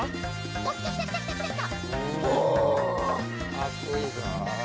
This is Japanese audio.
かっこいいぞ。